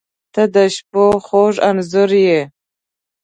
• ته د شپو خوږ انځور یې.